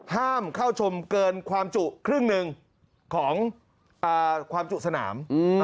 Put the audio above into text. ห้ามเข้าชมเกินความจุครึ่งหนึ่งของความจุสนาม